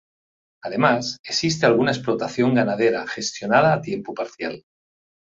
Además, existe alguna explotación ganadera gestionada a tiempo parcial.